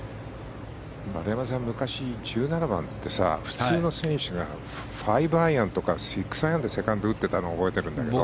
丸山さん、昔１７番って普通の選手が５アイアンや６アイアンでセカンドを打ってたのを覚えてるんだけど。